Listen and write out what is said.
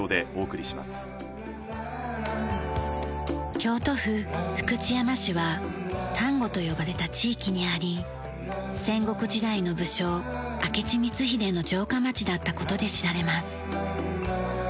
京都府福知山市は丹後と呼ばれた地域にあり戦国時代の武将明智光秀の城下町だった事で知られます。